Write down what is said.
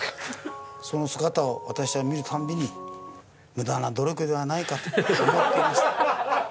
その姿を私は見る度に無駄な努力ではないかと思ってました。